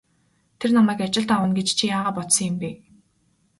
Тэр намайг ажилд авна гэж чи яагаад бодсон юм бэ?